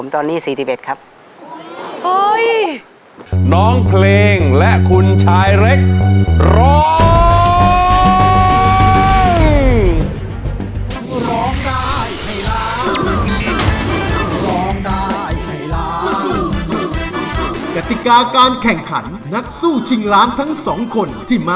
สามสิบกิโลคุณชายเล็กน้ำหนักกี่กิโลคะ